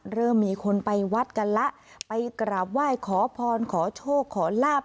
เริ่มมีคนไปวัดกันแล้วไปกราบไหว้ขอพรขอโชคขอลาบ